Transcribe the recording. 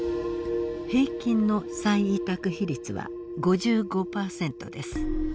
平均の再委託比率は５５％です。